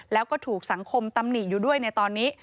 แล้วก็ถูกสังคมตำหนิอยู่ด้วยในตอนนี้